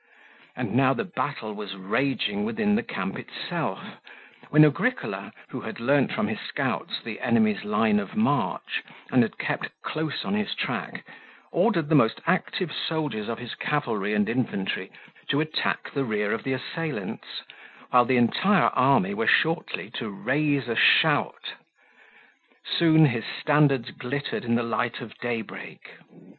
And now the battle was raging within the camp itself, when Agricola, who had learnt from his scouts the enemy's line of march and had kept close on his track, ordered the most active soldiers of his cavalry and infantry to attack the rear of the assailants, while the entire army were shortly to raise a shout. Soon his standards glittered in the light of daybreak.